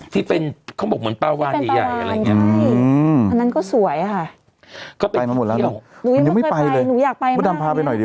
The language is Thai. ที่เป็นเขาบอกเหมือนเป้าวานใหญ่